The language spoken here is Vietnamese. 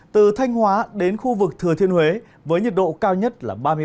từ thanh hóa đến khu vực thừa thiên huế với nhiệt độ cao nhất là ba mươi ba ba mươi sáu độ